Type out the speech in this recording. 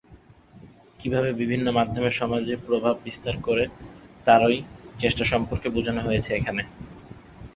কিভাবে বিভিন্ন মাধ্যম সমাজে প্রভাববিস্তার করে তারই চেষ্টা সম্পর্কে বুঝানো হয়েছে এখানে।